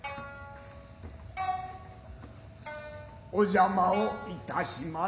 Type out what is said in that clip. お邪魔をいたしまする。